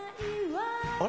あれ？